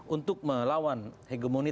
untuk melawan hegemoni